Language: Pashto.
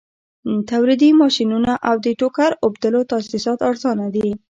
تولیدي ماشینونه او د ټوکر اوبدلو تاسیسات ارزانه دي